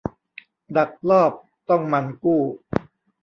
ดักลอบต้องหมั่นกู้